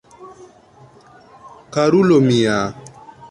Karulo mia!